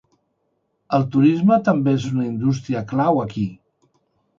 El turisme també és una indústria clau aquí.